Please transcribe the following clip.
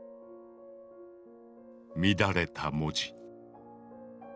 乱れた文字。